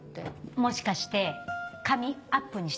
もしかして髪アップにしてた？